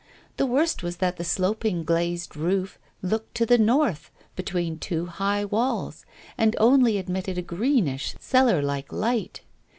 The worst was that the sloping glazed roof looked to the north, between two high walls, and only admitted a greenish cellar like light.